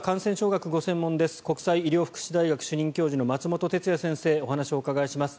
国際医療福祉大学主任教授の松本哲哉先生にお話を伺います。